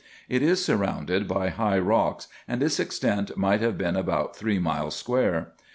It is surrounded by high rocks, and its extent might have been about three miles square.